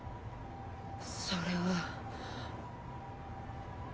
それは。